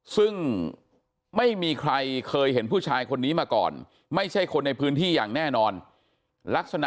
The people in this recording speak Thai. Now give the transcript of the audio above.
ซึ่งข้อสังเกตของชาวบ้านในพื้นที่เนี่ย